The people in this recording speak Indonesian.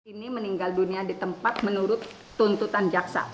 ini meninggal dunia di tempat menurut tuntutan jaksa